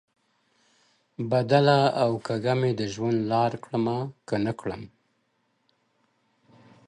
بدله او کږه مې د ژوند لار کړمه، که نه کړم؟